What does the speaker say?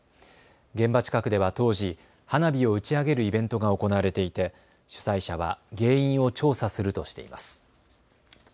現場近くでは当時、花火を打ち上げるイベントが行われていて主催者は原因を調査するとしています。